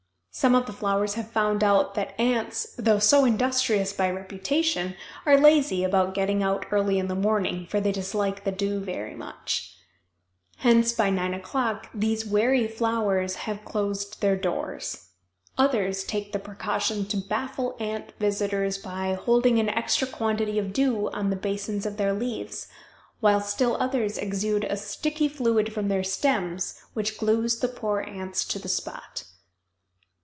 Some of the flowers have found out that ants, though so industrious by reputation, are lazy about getting out early in the morning for they dislike the dew very much. Hence by 9 o'clock these wary flowers have closed their doors. Others take the precaution to baffle ant visitors by holding an extra quantity of dew on the basins of their leaves, while still others exude a sticky fluid from their stems which glues the poor ants to the spot.